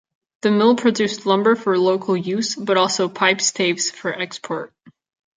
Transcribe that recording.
The mill produced lumber for local use, but also pipe-staves for export.